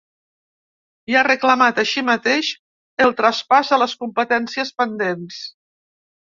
I ha reclamat així mateix el traspàs de les competències pendents.